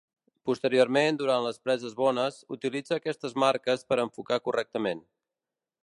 Posteriorment, durant les preses bones, utilitza aquestes marques per enfocar correctament.